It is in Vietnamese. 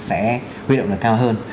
sẽ huy động là cao hơn